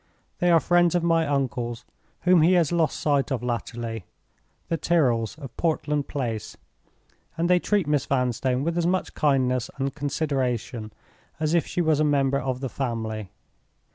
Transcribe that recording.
They are friends of my uncle's, whom he has lost sight of latterly—the Tyrrels of Portland Place—and they treat Miss Vanstone with as much kindness and consideration as if she was a member of the family.